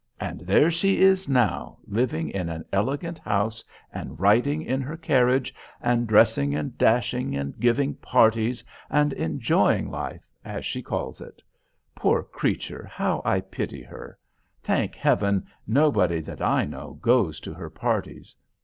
And there she is now, living in an elegant house, and riding in her carriage, and dressing and dashing, and giving parties, and enjoying life, as she calls it. Poor creature, how I pity her! Thank heaven, nobody that I know goes to her parties.